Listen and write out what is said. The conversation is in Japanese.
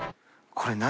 これ何？